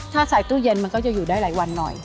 ถ้าใส่ตู้เย็นมันก็จะอยู่ได้หลายวันหน่อย